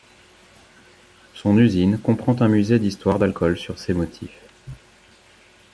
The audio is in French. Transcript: Son usine comprend un musée d'histoire d'alcool sur ses motifs.